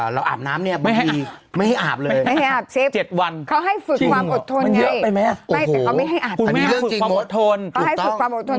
เราอาบน้ำไม่ให้อาบเลยเค้าให้ฝึกความอดทน